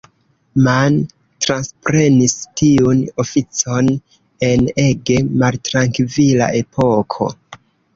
Mann transprenis tiun oficon en ege maltrankvila epoko.